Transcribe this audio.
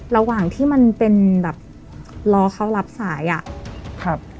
ระหว่างที่มันเป็นแบบรอเขารับสายอ่ะครับ